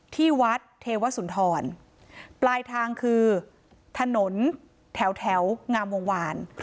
ที่วัดเทวสุนทรปลายทางคือถนนแถวงามวงวาน